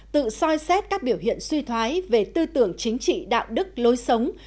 tự soi xét các biểu hiện suy thoái về tư tưởng chính trị đạo đức lối sống